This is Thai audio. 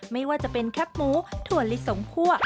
ไม่ว่าจะเป็นแคบหมูถั่วลิสงคั่ว